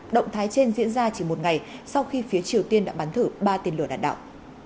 động thái trên diễn ra chỉ một ngày sau khi phía triều tiên đã bắn thử ba tên lửa đạn đạo